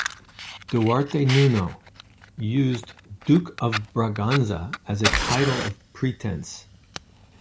Duarte Nuno used "Duke of Braganza" as a title of pretense.